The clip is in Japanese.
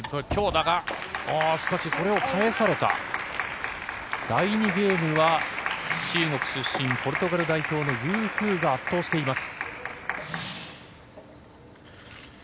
しかし、それを返された第２ゲームは中国出身、ポルトガル代表のユー・フーが圧倒しています。